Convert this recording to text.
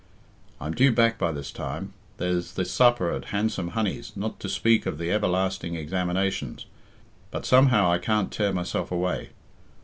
"I'm due back by this time. There's the supper at Handsome Honey's, not to speak of the everlasting examinations. But somehow I can't tear myself away.